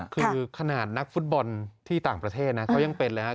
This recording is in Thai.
คือขนาดนักฟุตบอลที่ต่างประเทศนะเขายังเป็นเลยครับ